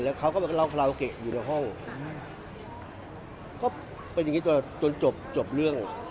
แล้วเขาก็ไปเล่าอยู่ในห้องเขาเป็นอย่างงี้จนจบจบเรื่อง